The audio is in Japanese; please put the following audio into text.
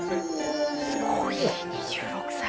すごい２６歳。